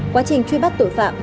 quá trình truy bắt tội phạm